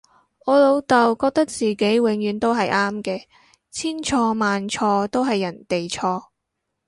我老竇覺得自己永遠都係啱嘅，千錯萬錯都係人哋錯